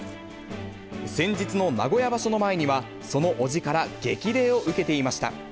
先日の名古屋場所の前には、そのおじから激励を受けていました。